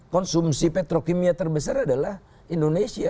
konsumsi petro kimia terbesar adalah indonesia